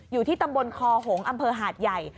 อยู่ที่ตำบลคอหงษ์อำเภอหาดใหญ่